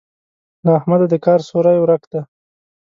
له احمده د کار سوری ورک دی.